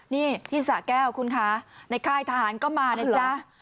นี่ที่สะแก้วคุณคะในค่ายทหารก็มานะจ๊ะ